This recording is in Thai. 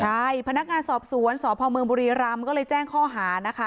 ใช่พนักงานสอบสวนสพเมืองบุรีรำก็เลยแจ้งข้อหานะคะ